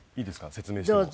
説明しても。